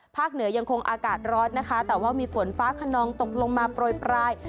เหนือยังคงอากาศร้อนนะคะแต่ว่ามีฝนฟ้าขนองตกลงมาโปรยปลาย